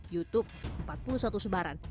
youtube empat puluh satu sebaran